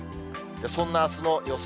そんなあすの予想